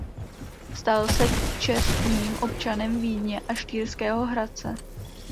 Stal se čestným občanem Vídně a Štýrského Hradce.